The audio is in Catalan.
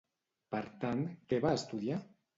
Per tant, què va estudiar?